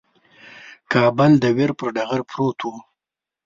کابل د ویر پر ټغر پروت وو.